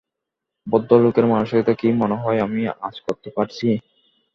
ভদ্রলোকের মানসিকতা কী তা মনে হয় আমি আঁচ করতে পারছি।